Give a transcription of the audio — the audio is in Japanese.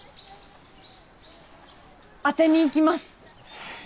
当てにいきます！